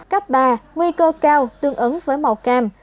cấp ba nguy cơ cao tương ứng với màu cam